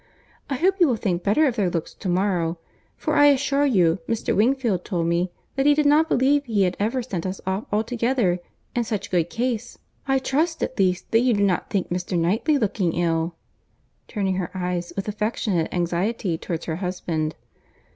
I hope you will think better of their looks to morrow; for I assure you Mr. Wingfield told me, that he did not believe he had ever sent us off altogether, in such good case. I trust, at least, that you do not think Mr. Knightley looking ill," turning her eyes with affectionate anxiety towards her husband.